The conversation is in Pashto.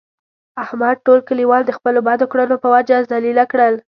احمد ټول کلیوال د خپلو بدو کړنو په وجه ذلیله کړل.